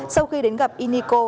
sau khi đến gặp y niko